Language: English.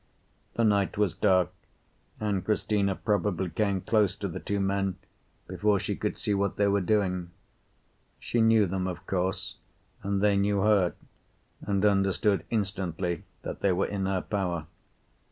The night was dark, and Cristina probably came close to the two men before she could see what they were doing. She knew them, of course, and they knew her, and understood instantly that they were in her power.